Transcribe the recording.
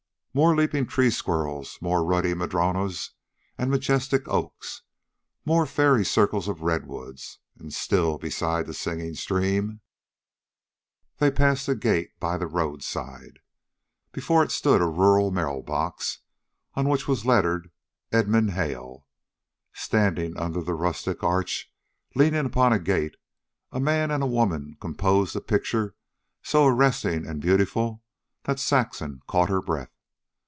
More leaping tree squirrels, more ruddy madronos and majestic oaks, more fairy circles of redwoods, and, still beside the singing stream, they passed a gate by the roadside. Before it stood a rural mail box, on which was lettered "Edmund Hale." Standing under the rustic arch, leaning upon the gate, a man and woman composed a pieture so arresting and beautiful that Saxon caught her breath.